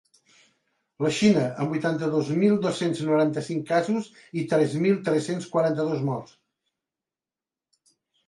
La Xina, amb vuitanta-dos mil dos-cents noranta-cinc casos i tres mil tres-cents quaranta-dos morts.